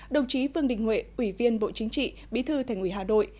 đồng chí phương đình huệ ủy viên bộ chính trị bí thư thành ủy hà đội